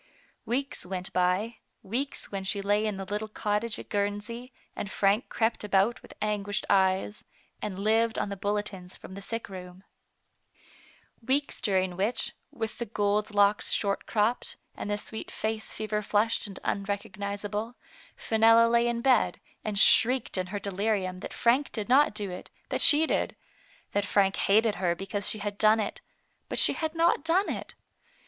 Weeks went by, weeks when she lay in the little cottage at Guernsey, and Frank crept about with anguished eyes, and Jived on the bulletins from the ?ick roojp. We^k§ Digitized by Google FRANK DANB Y, 151 during which, with the gold locks short cropped, and the sweet face fever flushed and unrecogniz able, Fenella lay in bed, and shrieked in her de lirium that Frank did not do it, that she did ; that Frank hated her because she had done it, but she had not done it.